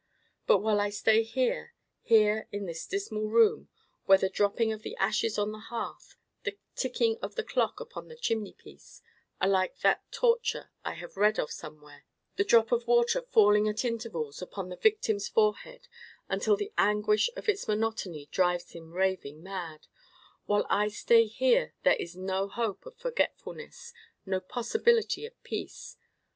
But while I stay here, here in this dismal room, where the dropping of the ashes on the hearth, the ticking of the clock upon the chimney piece, are like that torture I have read of somewhere—the drop of water falling at intervals upon the victim's forehead until the anguish of its monotony drives him raving mad—while I stay here there is no hope of forgetfulness, no possibility of peace.